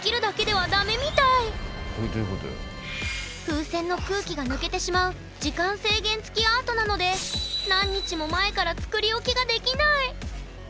風船の空気が抜けてしまう時間制限つきアートなので何日も前から作りおきができない。